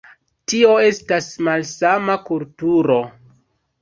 Tio estas malsama kulturo.